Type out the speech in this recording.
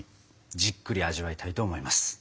じっくり味わいたいと思います！